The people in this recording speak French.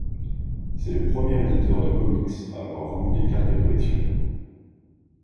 C'est le premier éditeur de comics à avoir vendu des cartes à collectionner.